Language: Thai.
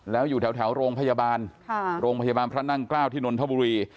แล้วอยู่แถวโรงพยาบาลพระนั่งกล้าวที่นลธบุรี